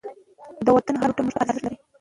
د وطن هر لوټه موږ ته ارزښت لري.